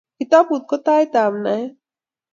kitabut ko tait ab naet